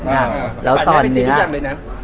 อันนี้เป็นจริงทุกอย่างเลยนะ